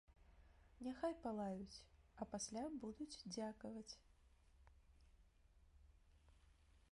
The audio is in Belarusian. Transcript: Няхай палаюць, а пасля будуць дзякаваць.